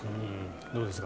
どうですか？